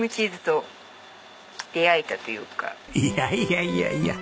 いやいやいやいや。